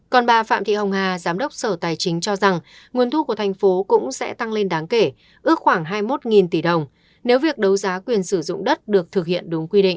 còn bà phạm thị hồng hà giám đốc sở tài chính cho rằng nguồn thu của thành phố cũng sẽ tăng lên đáng kể ước khoảng hai mươi một tỷ đồng nếu việc đấu giá quyền sử dụng đất được thực hiện đúng quy định